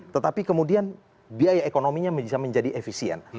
tetapi kemudian biaya ekonominya bisa menjadi efisien